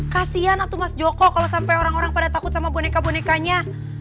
kasian atau mas joko kalau sampai orang orang pada takut sama boneka bonekanya